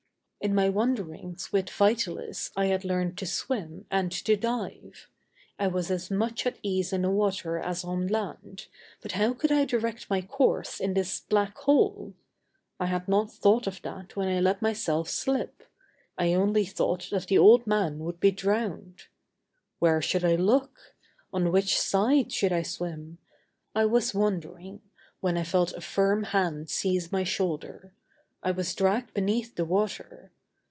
In my wanderings with Vitalis I had learned to swim and to dive. I was as much at ease in the water as on land, but how could I direct my course in this black hole? I had not thought of that when I let myself slip; I only thought that the old man would be drowned. Where should I look? On which side should I swim? I was wondering, when I felt a firm hand seize my shoulder. I was dragged beneath the water.